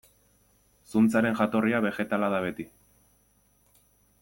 Zuntzaren jatorria begetala da beti.